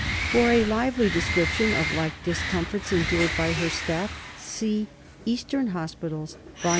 For a lively description of like discomforts endured by her staff, see Eastern Hospitals, vol.